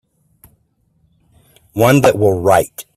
One that will write.